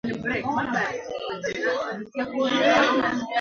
Kuratibu Mamlaka na wajibu wa kila Halmashauri